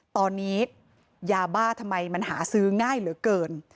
ตอนนี้ยาบ้าทำไมมันหาซื้อง่ายเหลือเกิน